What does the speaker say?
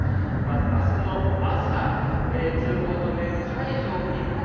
明日の朝通行止めの解除を見込み